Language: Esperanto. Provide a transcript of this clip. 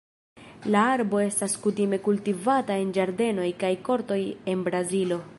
La arbo estas kutime kultivata en ĝardenoj kaj kortoj en Brazilo.